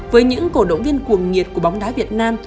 với những cổ động viên cuồng nhiệt của bóng đá việt nam